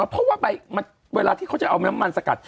เพราะว่าเวลาที่เขาจะเอาน้ำมันสกัด